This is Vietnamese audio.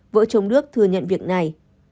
vợ chồng đức thừa nhận việc này